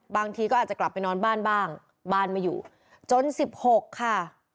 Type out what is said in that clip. บางทีก็อาจจะกลับไปนอนบ้านบ้างบ้านไม่อยู่จนสิบหกค่ะ